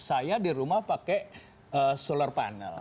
saya di rumah pakai solar panel